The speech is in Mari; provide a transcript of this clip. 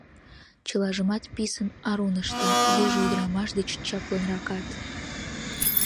Чылажымат писын, арун ышта, южо ӱдырамаш деч чаплынракат.